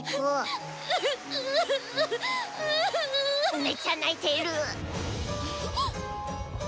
めっちゃ泣いてる。